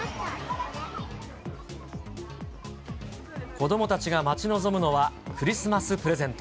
子どもたちが待ち望むのはクリスマスプレゼント。